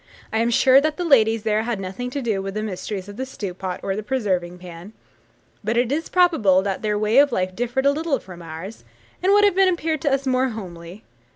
I am sure that the ladies there had nothing to do with the mysteries of the stew pot or the preserving pan; but it is probable that their way of life differed a little from ours, and would have appeared to us more homely.